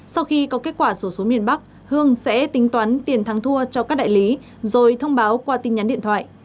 sau khi có kết quả số số miền bắc hương sẽ tính toán tiền thắng thua cho các đại lý rồi thông báo qua tin nhắn điện thoại